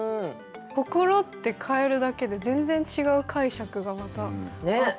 「心」って変えるだけで全然違う解釈がまたあって。